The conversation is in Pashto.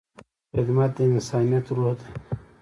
خدمت د انسانیت روح دی.